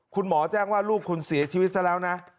คุณหมอแจ้งว่าลูกคุณเสียชีวิตซะแล้วนะ